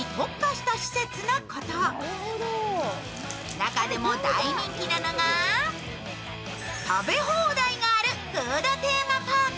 中でも大人気なのが、食べ放題があるフードテーマパーク。